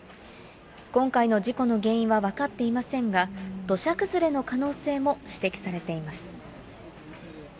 今回の事故の原因は分かっていませんが、土砂崩れの可能性も指摘されています。